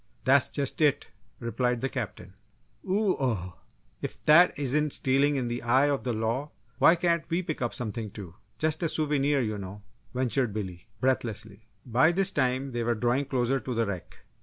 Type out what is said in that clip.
"That's just it!" replied the Captain. "Oo oh! if that isn't stealing in the eye of the law, why can't we pick up something too just a souvenir, you know!" ventured Billy, breathlessly. By this time, they were drawing closer to the wreck.